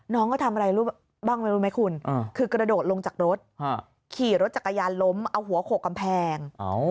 น้องก็ทำอะไรรู้บ้างไม่รู้ไหมคุณคือกระโดดลงจากรถขี่รถจักรยานล้มเอาหัวโขกกำแพง